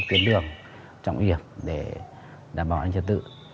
tiến đường trọng yểm để đảm bảo an ninh trật tự